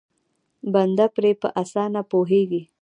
بنده پرې په اسانه پوهېږي.